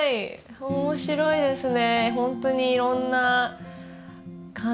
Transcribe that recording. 面白いですね。